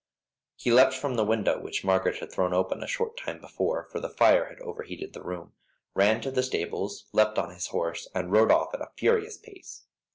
He leapt from the window, which Margaret had thrown open a short time before, for the fire had overheated the room, ran down to the stables, leapt on his horse, and rode off at a furious pace.